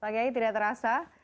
pak kyai tidak terasa